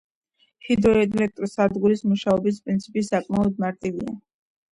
ჰიდროელექტროსადგურის მუშაობის პრინციპი საკმაოდ მარტივია.